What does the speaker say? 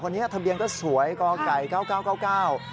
คนนี้ทะเบียงก็สวยก่อไก่เก่า